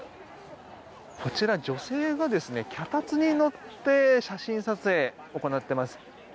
こちら女性が脚立に乗って写真撮影を行っています。